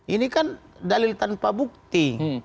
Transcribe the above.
ini kan dalil tanpa bukti